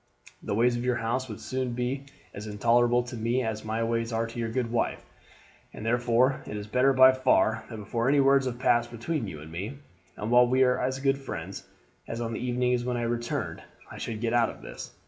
The ways of your house would soon be as intolerable to me as my ways are to your good wife, and therefore it is better by far that before any words have passed between you and me, and while we are as good friends as on the evening when I returned, I should get out of this.